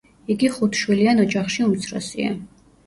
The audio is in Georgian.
იგი ხუთშვილიან ოჯახში უმცროსია.